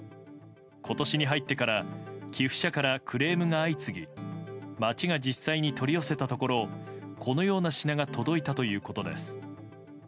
今年に入ってから寄付者からクレームが相次ぎ町が実際に取り寄せたところこのような品が届いたということです。